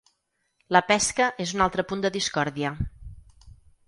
La pesca és un altre punt de discòrdia.